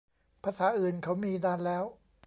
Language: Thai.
ภาษาอื่นเขามีนานแล้ว